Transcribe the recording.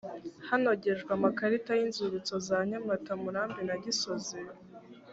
hanogejwe amakarita y’inzibutso za nyamata murambi na gisozi